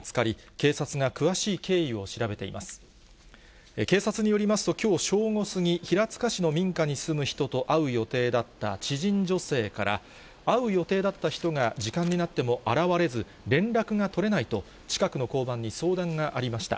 警察によりますと、きょう正午過ぎ、平塚市の民家に住む人と会う予定だった知人女性から、会う予定だった人が時間になっても現れず、連絡が取れないと、近くの交番に相談がありました。